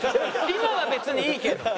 今は別にいいけど。